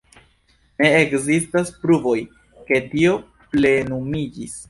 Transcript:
Ne ekzistas pruvoj, ke tio plenumiĝis.